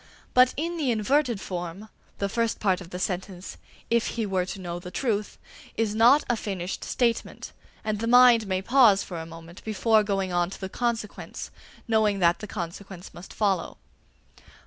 But in the inverted form, the first part of the sentence "if he were to know the truth" is not a finished statement, and the mind may pause for a moment before going on to the consequence, knowing that the consequence must follow.